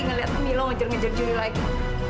ngelihat nilo ngejar ngejar juri lain